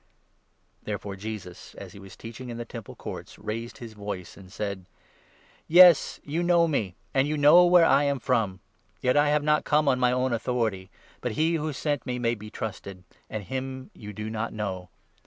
Therefore, Jesus, as he was teaching in the Temple Courts, 28 raised his voice and said :" Yes ; you know me, and you know where I am from. Yet I have not come on my own authority, but he who sent me may be trusted ; and him you do not know.